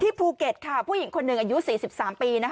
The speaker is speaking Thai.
ภูเก็ตค่ะผู้หญิงคนหนึ่งอายุ๔๓ปี